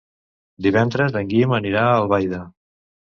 Divendres en Guim anirà a Albaida.